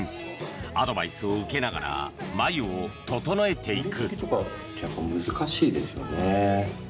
アドバイスを受けながら眉を整えていく。